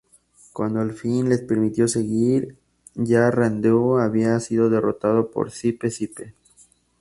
Cuando al fin les permitió seguir, ya Rondeau había sido derrotado en Sipe Sipe.